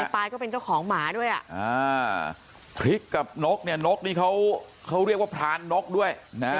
ปลายก็เป็นเจ้าของหมาด้วยพริกกับนกเนี่ยนกนี่เขาเรียกว่าพรานนกด้วยนะ